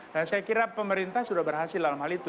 nah saya kira pemerintah sudah berhasil dalam hal itu